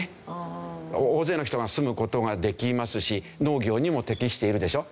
大勢の人が住む事ができますし農業にも適しているでしょ。